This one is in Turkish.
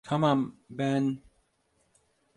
Tamam, ben…